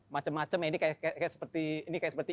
macem macem ya ini kayak seperti